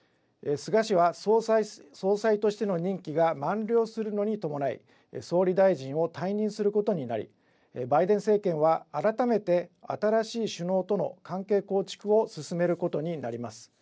菅氏は総裁としての任期が満了するのに伴い、総理大臣を退任することになり、バイデン政権は改めて新しい首脳との関係構築を進めることになります。